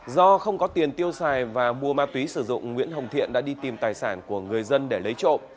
do không có tiền tiêu xài và mua ma túy sử dụng nguyễn hồng thiện đã đi tìm tài sản của người dân để lấy trộm